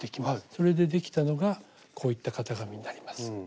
それでできたのがこういった型紙になります。